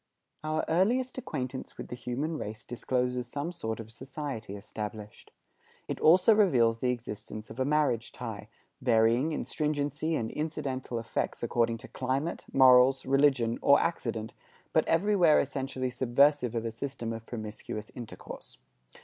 Our earliest acquaintance with the human race discloses some sort of society established. It also reveals the existence of a marriage tie, varying in stringency and incidental effects according to climate, morals, religion, or accident, but every where essentially subversive of a system of promiscuous intercourse.